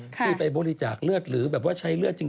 ที่ไปบริจาคเลือดหรือแบบว่าใช้เลือดจริง